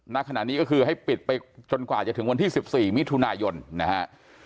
ณขณะนี้ก็คือให้ปิดไปจนกว่าจะถึงวันที่๑๔มิถุนายนนะฮะ